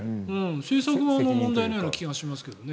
制作側の問題のような気がしますけどね。